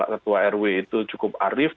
ketua rw itu cukup arif